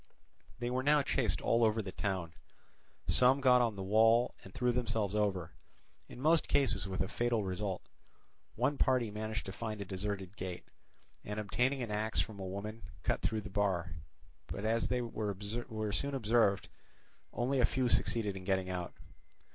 They were now chased all over the town. Some got on the wall and threw themselves over, in most cases with a fatal result. One party managed to find a deserted gate, and obtaining an axe from a woman, cut through the bar; but as they were soon observed only a few succeeded in getting out.